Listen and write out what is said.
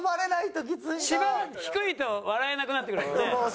芝が低いと笑えなくなってくるもんね。